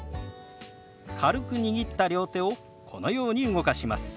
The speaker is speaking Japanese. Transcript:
軽く握った両手をこのように動かします。